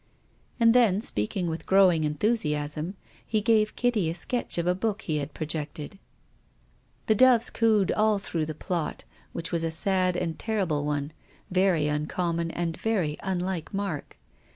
And then, speaking with growing enthusiasm, he gave Kitty a sketch of a book he had pro jected. The doves cooed all tliroiw^h the plot, which was a sad and terrible one, very uncommon and very unlike Mark.